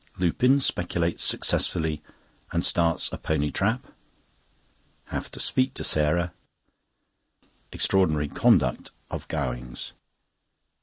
Lupin speculates successfully and starts a pony trap. Have to speak to Sarah. Extraordinary conduct of Gowing's.